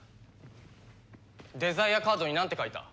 デザイアカードになんて書いた？